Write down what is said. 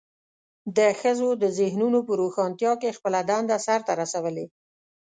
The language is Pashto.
د ښځو د ذهنونو په روښانتیا کې خپله دنده سرته رسولې.